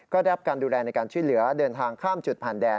ก็ได้รับการดูแลในการช่วยเหลือเดินทางข้ามจุดผ่านแดน